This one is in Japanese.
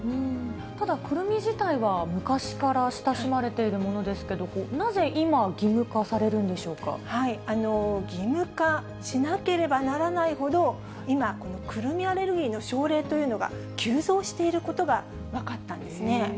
ただ、くるみ自体は昔から親しまれているものですけど、なぜ今、義務化されるんでしょう義務化しなければならないほど、今、このくるみアレルギーの症例というのが急増していることが分かったんですね。